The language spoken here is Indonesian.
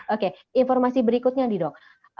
oke informasi berikutnya nih dok